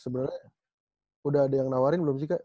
sebenarnya udah ada yang nawarin belum sih kak